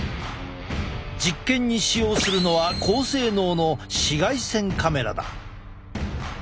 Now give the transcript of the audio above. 実験に使用するのは高性能の紫外線カメラだ。